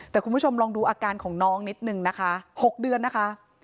แต่คุณผู้ชมลองดูอาการของน้องนิดนึงนะคะ๖เดือนนะคะ